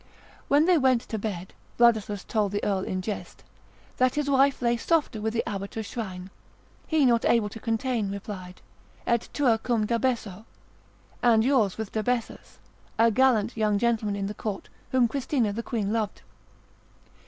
When they went to bed, Vladislaus told the earl in jest, that his wife lay softer with the abbot of Shrine; he not able to contain, replied, Et tua cum Dabesso, and yours with Dabessus, a gallant young gentleman in the court, whom Christina the queen loved.